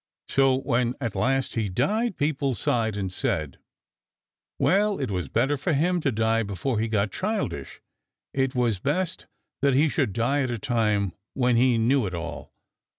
So when at last he died people sighed and said: "Well, it was better for him to die before he got childish. It was best that he should die at a time when he knew it all.